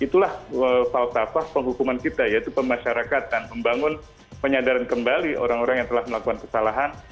itulah faltafah penghukuman kita yaitu pemasyarakatan membangun penyadaran kembali orang orang yang telah melakukan kesalahan